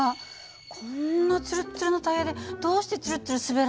こんなツルッツルのタイヤでどうしてツルッツル滑らないの？